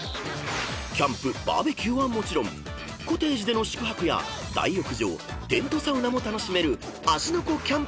［キャンプバーベキューはもちろんコテージでの宿泊や大浴場テントサウナも楽しめる］